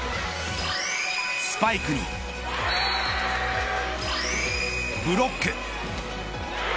スパイクにブロック。